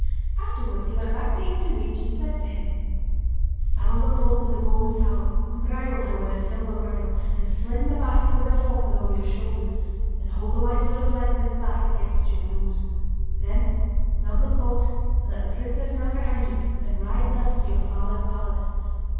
Afterwards he went back to Ian Direach and said to him: 'Saddle the colt with the golden saddle, and bridle her with the silver bridle, and sling the basket with the falcon over your shoulders, and hold the White Sword of Light with its back against your nose. Then mount the colt, and let the princess mount behind you, and ride thus to your father's palace.